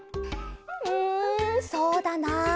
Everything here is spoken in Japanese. うんそうだな。